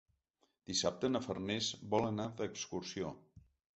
Dissabte na Farners vol anar d'excursió.